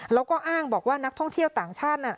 แล้วก็อ้างบอกว่านักท่องเที่ยวต่างชาติ